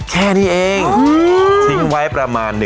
แค่นี้เองทิ้งไว้ประมาณ